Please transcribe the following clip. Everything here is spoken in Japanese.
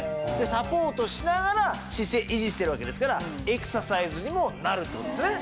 サポートしながら姿勢維持してるわけですからエクササイズにもなるってことですね。